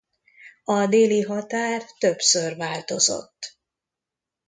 A déli határ többször változott.